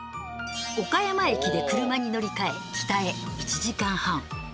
岡山駅で車に乗り換え北へ１時間半。